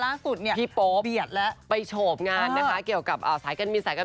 ล่าสุดพี่โป๊ปไปฉบงานนะคะเกี่ยวกับสายการบิน